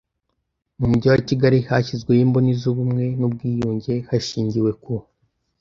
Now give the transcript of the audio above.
Mu Mujyi wa Kigali hashyizweho imboni z ubumwe n ubwiyunge hashingiwe ku